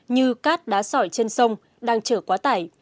như cát đá sỏi trên sông đang chở quá tải